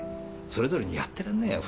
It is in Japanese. それぞれにやってらんねえよ。